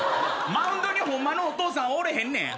マウンドにホンマのお父さんおれへんねん。